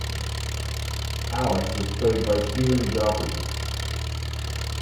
Alex is played by Stephen Joffe.